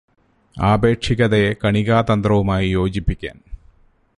ആപേക്ഷികതയെ കണികാതന്ത്രവുമായി യോജിപ്പിക്കാന്